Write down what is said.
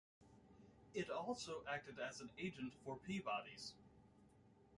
It also acted as an agent for Peabody's.